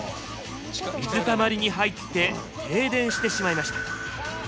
水たまりに入って停電してしまいました。